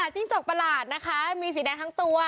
จิ้งจกประหลาดนะคะมีสีแดงทั้งตัว